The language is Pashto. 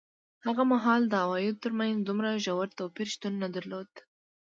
هغه مهال د عوایدو ترمنځ دومره ژور توپیر شتون نه درلود.